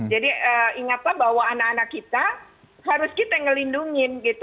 jadi ingatlah bahwa anak anak kita harus kita ngelindungi